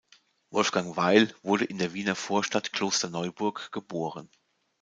Wolfgang Weil wurde in der Wiener Vorstadt Klosterneuburg geboren.